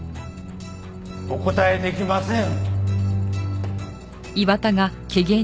お答えできません！